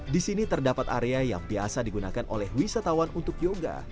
di sini terdapat area yang biasa digunakan oleh wisatawan untuk yoga